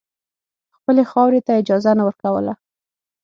خپلې خاورې ته اجازه نه ورکوله.